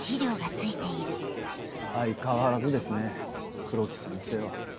相変わらずですね黒木先生は。